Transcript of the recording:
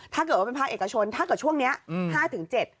ถ้าเกิดว่าเป็นภาคเอกชนถ้าเกิดช่วงเนี้ยอืมห้าถึงเจ็ด